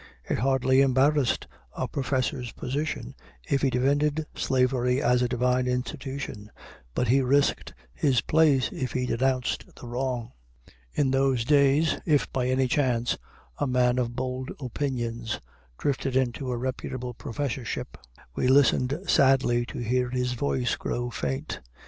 It hardly embarrassed a professor's position if he defended slavery as a divine institution; but he risked his place if he denounced the wrong. In those days, if by any chance a man of bold opinions drifted into a reputable professorship, we listened sadly to hear his voice grow faint.